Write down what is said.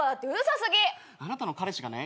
あなたの彼氏がね